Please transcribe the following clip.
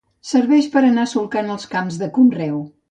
Serveix per anar solcant els camps de conreu.